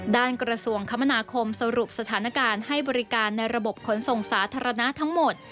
กระทรวงคมนาคมสรุปสถานการณ์ให้บริการในระบบขนส่งสาธารณะทั้งหมด